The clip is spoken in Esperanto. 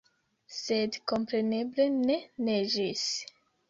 Sed kompreneble ne neĝis.